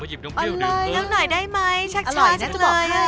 เอาเลยน้ำหน่อยได้ไหมชักช้าจะบอกให้